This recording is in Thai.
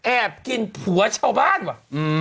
แอบกินผัวชาวบ้านว่ะ